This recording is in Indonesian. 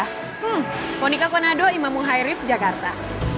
hmm ponika konado imamuhairi jakarta